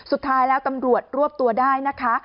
สุดท้ายแล้วตำรวจรวบตัวได้นะคะ